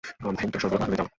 ভেঙ্কটেশ্বর বিবাহ হলে যাও।